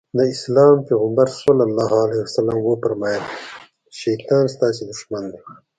د اسلام پيغمبر ص وفرمايل شيطان ستاسې دښمن دی.